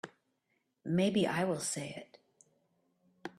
Maybe I will say it.